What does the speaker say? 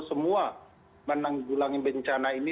semua menanggulangi bencana ini